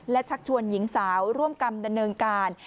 และชักชวนหญิงสาวร่วมกรรมดำเนินการ